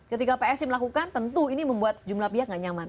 ketika psi melakukan tentu ini membuat sejumlah pihak nggak nyaman